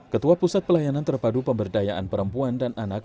ketua pusat pelayanan terpadu pemberdayaan perempuan dan anak